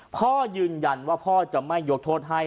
พ่อยืนยันว่าพ่อจะไม่ยกโทษให้